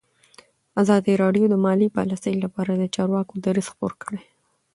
ازادي راډیو د مالي پالیسي لپاره د چارواکو دریځ خپور کړی.